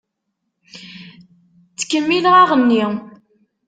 Ttkemmileɣ aɣenni.